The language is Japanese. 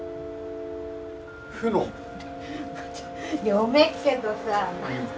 読めっけどさ。